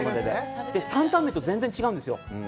担々麺と、全然違うんですよ。